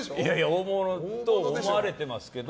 大物と思われてますけど。